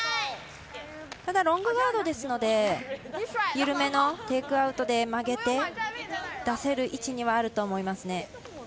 ロングガードですのでゆるめのテイクアウトで曲げて出せる位置ではありますね。